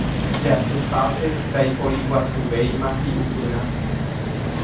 Jasypápe ndaiporiguasuvéima hi'upyrã.